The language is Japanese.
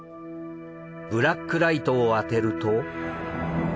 ブラックライトを当てると。